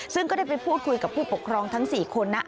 ซึ่งก็ได้ไปพูดคุยกับผู้ปกครองทั้ง๔คนนะ